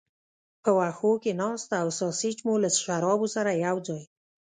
په وښو کې ناست او ساسیج مو له شرابو سره یو ځای.